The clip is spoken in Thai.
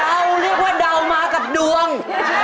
เรียกว่าเดามากับดวง